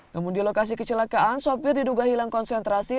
namun di lokasi kecelakaan sopir diduga hilang konsentrasi